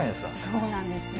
そうなんですよ。